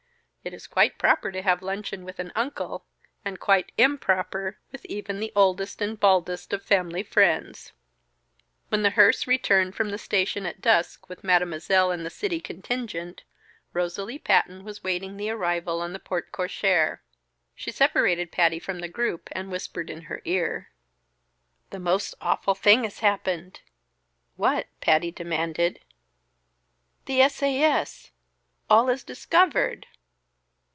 It is quite proper to have luncheon with an uncle; and quite improper with even the oldest and baldest of family friends. When the "hearse" returned from the station at dusk with Mademoiselle and the city contingent, Rosalie Patton was waiting the arrival on the porte cochère. She separated Patty from the group and whispered in her ear. "The most awful thing has happened!" "What?" Patty demanded. "The S. A. S. All is discovered!"